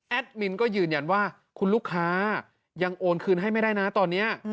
มินก็ยืนยันว่าคุณลูกค้ายังโอนคืนให้ไม่ได้นะตอนนี้